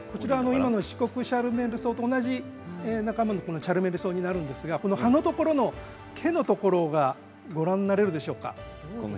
シコクチャルメルソウと同じ仲間になるんですが葉のところの毛のところご覧になれるでしょうか。